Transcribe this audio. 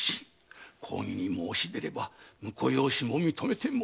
公儀に申し出れば婿養子も認めてもらえよう。